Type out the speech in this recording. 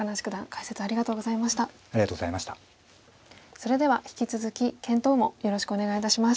それでは引き続き検討もよろしくお願いいたします。